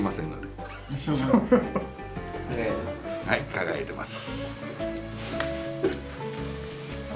輝いてます。